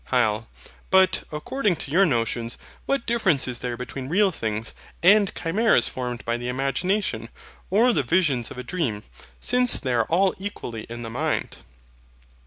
HYL. But, according to your notions, what difference is there between real things, and chimeras formed by the imagination, or the visions of a dream since they are all equally in the mind?